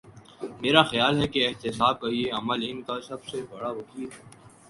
میرا خیال ہے کہ احتساب کا یہ عمل ان کا سب سے بڑا وکیل ہے۔